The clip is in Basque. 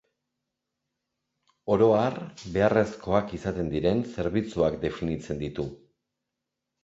Oro har, beharrezkoak izaten diren zerbitzuak definitzen ditu.